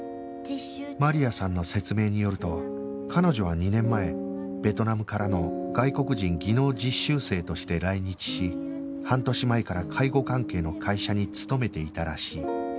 マリアさんの説明によると彼女は２年前ベトナムからの外国人技能実習生として来日し半年前から介護関係の会社に勤めていたらしい